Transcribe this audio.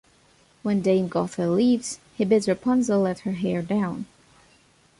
When Dame Gothel leaves, he bids Rapunzel let her hair down.